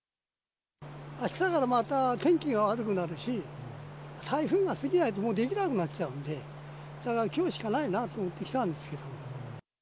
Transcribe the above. あしたからまた天気が悪くなるし、台風が過ぎないともうできなくなっちゃうんで、だからきょうしかないなと思って来たんですけど。